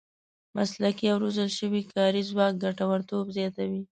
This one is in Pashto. مسلکي او روزل شوی کاري ځواک ګټورتوب زیاتوي.